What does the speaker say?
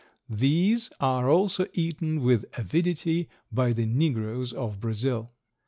These are also eaten with avidity by the negroes of Brazil.